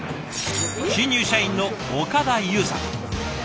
新入社員の岡田優さん。